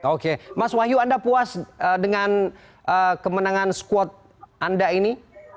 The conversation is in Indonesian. oke mas wahyu anda puas dengan kemenangan squad anda ini